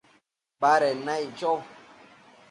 baded naic cho